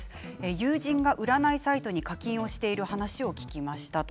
友人が占いサイトに課金をしている話を聞きました。